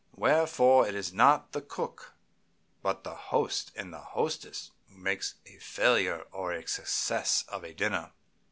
Wherefore, it is not the cook, but the host and hostess who make a failure or a success of a dinner."